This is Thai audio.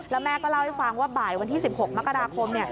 แล้วแม่ก็เล่าให้ฟังว่าบ่ายวันที่๑๖มกราคม